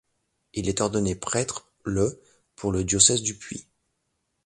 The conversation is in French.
Il est ordonné prêtre le pour le diocèse du Puy.